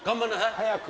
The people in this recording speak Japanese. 早く！